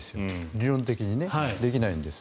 理論的にね。できないんです。